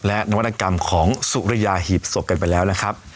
และนวัตกรรมของสุริยาหีบศพกันไปแล้วนะครับ